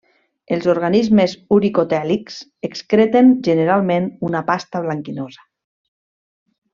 Els organismes uricotèlics excreten generalment una pasta blanquinosa.